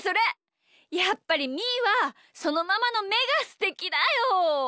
やっぱりみーはそのままのめがすてきだよ！